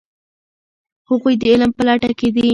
هغوی د علم په لټه کې دي.